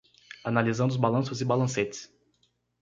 Analisando os balanços e balancetes